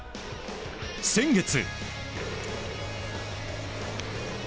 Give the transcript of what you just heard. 先月。